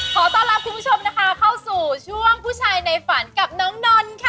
ขอต้อนรับคุณผู้ชมนะคะเข้าสู่ช่วงผู้ชายในฝันกับน้องนนท์ค่ะ